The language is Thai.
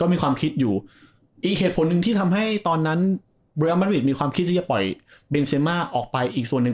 อีกเหตุผลนึงที่ทำให้เรียลมริตมีความคิดที่จะปล่อยเบนเซมาร์ออกไปอีกส่วนนึง